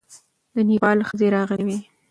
د نېپال ښځې راغلې وې.